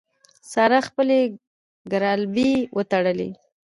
سارا خپلې ګرالبې وتړلې.